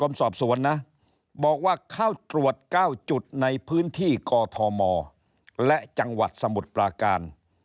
สอบสวนนะบอกว่าเข้าตรวจ๙จุดในพื้นที่กอทมและจังหวัดสมุทรปลาการ